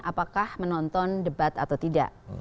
apakah menonton debat atau tidak